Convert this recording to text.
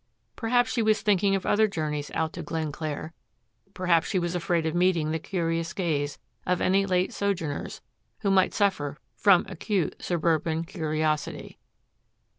Perhaps she was thinking of other journeys out to Glenclair, perhaps she was afraid of meeting the curious gaze of any late sojourners who might suffer from acute suburban curiosity.